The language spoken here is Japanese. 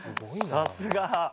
さすが。